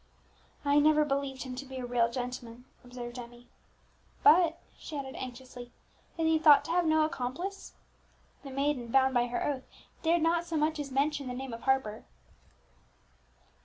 "I never believed him to be a real gentleman," observed Emmie. "But," she added anxiously, "is he thought to have had no accomplice?" The maiden, bound by her oath, dared not so much as mention the name of Harper.